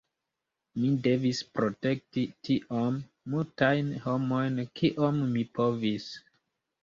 Mi devis protekti tiom multajn homojn kiom mi povis".